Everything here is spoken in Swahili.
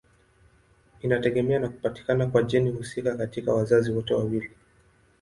Inategemea na kupatikana kwa jeni husika katika wazazi wote wawili.